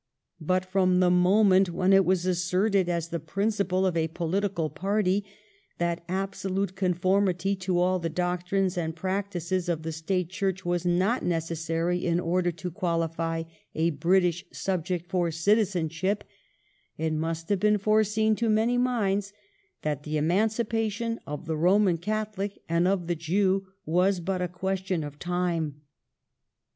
But from the moment when it was asserted as the principle of a political party that absolute conformity to all the doctrines and practices of the State Church was not necessary in order to qualify a British subject for citizenship, it must have been foreshown to many minds that the eman cipation of the Eoman Catholic and of the Jew was but a question of time.